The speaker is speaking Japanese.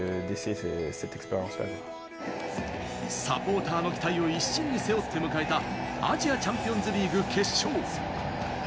サポーターの期待を一身に背負って迎えたアジアチャンピオンズリーグ決勝。